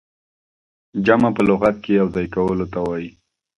جمع په لغت کښي يو ځاى کولو ته وايي.